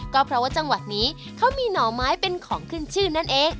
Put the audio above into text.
ก็เพราะว่าจังหวัดนี้เขามีหน่อไม้เป็นของขึ้นชื่อนั่นเอง